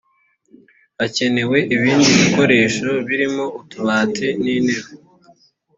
hakenewe ibindi bikoresho birimo utubati n’intebe